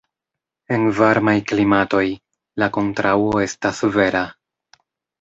En varmaj klimatoj, la kontraŭo estas vera.